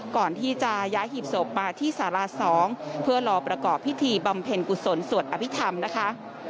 ก่อนที่จะย้ายหีบศพมาที่สารา๒เพื่อรอประกอบพิธีบำเพ็ญกุศลสวดอภิษฐรรมนะคะ